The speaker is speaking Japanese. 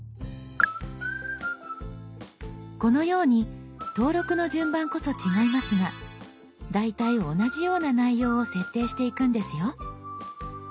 このように登録の順番こそ違いますが大体同じような内容を設定していくんですよ。